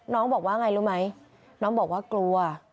น้องบอกว่าไงรู้ไหมน้องบอกว่ากลัว